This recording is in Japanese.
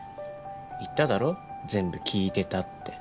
言っただろ全部聞いてたって。